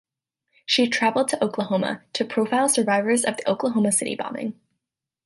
She traveled to Oklahoma to profile survivors of the Oklahoma City bombing.